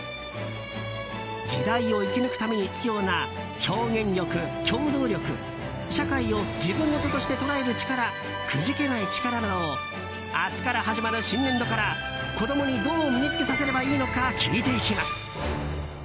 時代を生き抜くために必要な表現力、協働力社会を自分事として捉える力くじけない力などを明日から始まる新年度から子供にどう身に付けさせればいいのか聞いていきます。